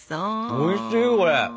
おいしいこれ！